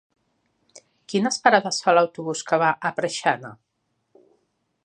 Quines parades fa l'autobús que va a Preixana?